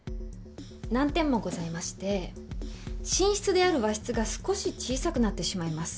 難点もございまして寝室である和室が少し小さくなってしまいます。